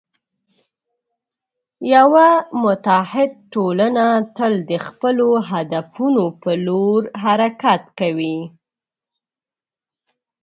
یوه متعهد ټولنه تل د خپلو هدفونو په لور حرکت کوي.